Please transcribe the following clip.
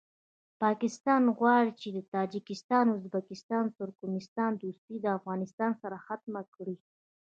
پاکستان غواړي چې د تاجکستان ازبکستان او ترکمستان دوستي د افغانستان سره ختمه کړي